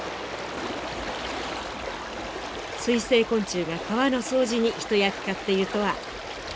水生昆虫が川の掃除に一役買っているとは知りませんでした。